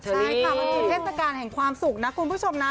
ใช่ค่ะมันคือเทศกาลแห่งความสุขนะคุณผู้ชมนะ